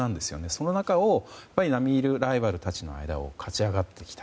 その中を並み居るライバルたちの間を勝ち上がってきた。